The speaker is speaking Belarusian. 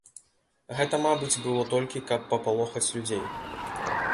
Гэта, мабыць, было толькі каб папалохаць людзей.